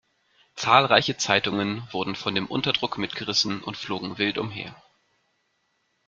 Zahlreiche Zeitungen wurden von dem Unterdruck mitgerissen und flogen wild umher.